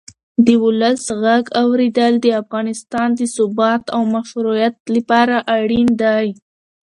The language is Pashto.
د ولس غږ اورېدل د افغانستان د ثبات او مشروعیت لپاره اړین دی